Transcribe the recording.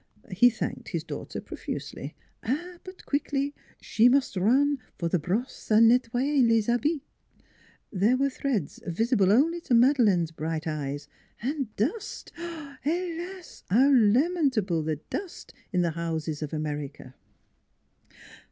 He thanked his daughter profusely. ... Ah! but quickly she must run for the brosse a nettoyer les habits! There were threads, visible only to Madeleine's bright eyes, and dust helas! how lamentable the dust in the houses of America.